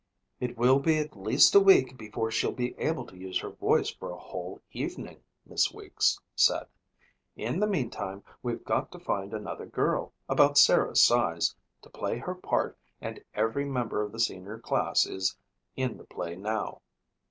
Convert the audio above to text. "It will be at least a week before she'll be able to use her voice for a whole evening," Miss Weeks said. "In the meantime, we've got to find another girl, about Sarah's size, to play her part and every member of the senior class is in the play now."